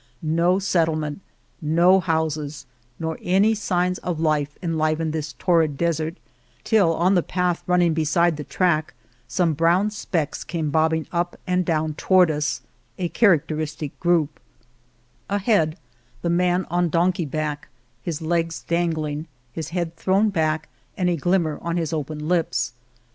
No settlement, no houses, nor any signs of life enlivened this torrid desert till on the path running beside the track some brown specks came bobbing up and down toward us — a characteristic On the Road to Argamasilla group ; ahead the man on donkey back, his legs dangling, his head thrown back and a glimmer at his open lips.